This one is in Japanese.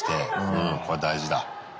うんこれは大事だ。